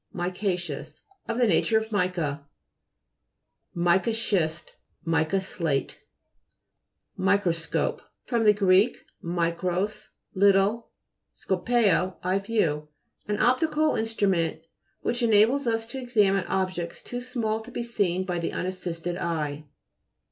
MICA'CEOUS Of the nature of mica. MICA SCHIST Mica slate (p. 25). MI'CROSCOPE fr. gr. mikros, little, skoped, I view. An optical instru ment which enables us to examine objects too small to be seen by the unassisted eye.